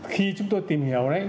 khi chúng tôi tìm hiểu đấy